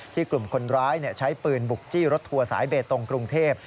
กลุ่มคนร้ายใช้ปืนบุกจี้รถทัวร์สายเบตงกรุงเทพ